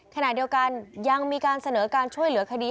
ขณะเดียวกันยังมีการเสนอการช่วยเหลือคดี